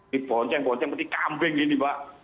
di bonceng bonceng seperti kambing ini mbak